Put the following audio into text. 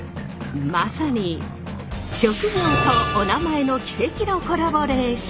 まさに職業とおなまえの奇跡のコラボレーション！